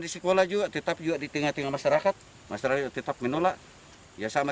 di sekolah juga tetap juga di tengah tengah masyarakat masyarakat tetap menolak ya sama